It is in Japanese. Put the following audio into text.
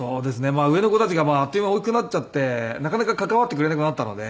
上の子たちがあっという間に大きくなっちゃってなかなか関わってくれなくなったので。